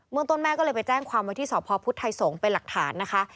เมืองต้นแม่ก็เลยไปแจ้งความว่าที่สพพุทธไทยสงฆ์เป็นหลักฐานนะคะ